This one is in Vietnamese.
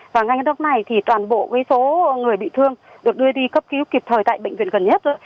và ngay cái lúc này thì toàn bộ số người bị thương được đưa đi cấp cứu kịp thời tại bệnh viện gần nhất